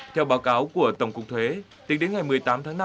theo báo cáo của tổng cục thuế tính đến ngày một mươi tám tháng năm